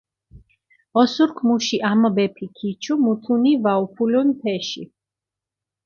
ოსურქ მუში ამბეფი ქიჩუ, მუთუნი ვაუფულუნ თეში.